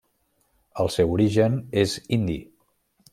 El seu origen és indi.